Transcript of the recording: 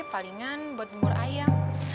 palingan buat membur ayam